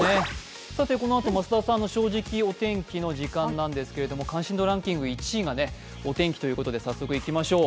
このあと増田さんの「正直天気」の時間なんですけれども、関心度ランキング１位がお天気ということで早速いきましょう。